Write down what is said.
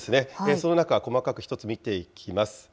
その中、細かく１つ見ていきます。